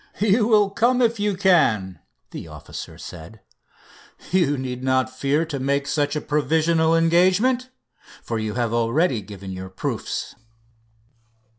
"You will come if you can," the officers said. "You need not fear to make such a provisional engagement, for you have already given your proofs."